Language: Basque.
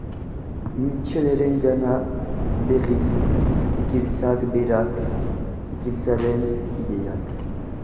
Michelerengana, berriz, giltzak berak, giltzaren ideiak.